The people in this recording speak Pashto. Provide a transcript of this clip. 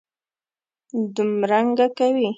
دومرنګه کوي.